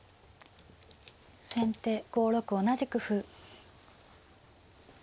先手５六同じく歩。